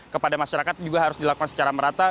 kepada masyarakat juga harus dilakukan secara merata